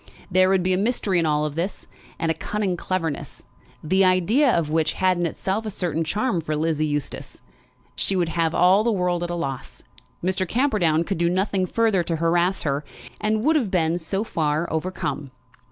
There would be a mystery in all this, and a cunning cleverness, the idea of which had in itself a certain charm for Lizzie Eustace. She would have all the world at a loss. Mr. Camperdown could do nothing further to harass her; and would have been, so far, overcome.